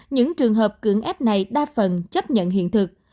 những trường hợp cưỡng ép này đa phần chấp nhận hiện thực